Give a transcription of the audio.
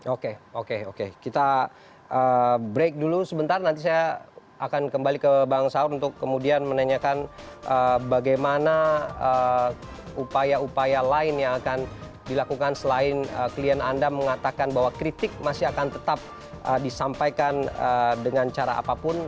oke oke oke kita break dulu sebentar nanti saya akan kembali ke bang saur untuk kemudian menanyakan bagaimana upaya upaya lain yang akan dilakukan selain klien anda mengatakan bahwa kritik masih akan tetap disampaikan dengan cara apapun